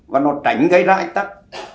và nó tránh gây ra ánh tắc